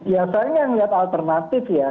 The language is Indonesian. ya saya nggak melihat alternatif ya